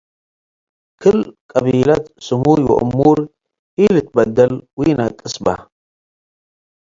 ክል-ቀቢለት ስመይ እሙር ኢልትበደል ወኢነቅስ በ ።